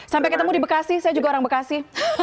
sampai ketemu di bekasi saya juga orang bekasi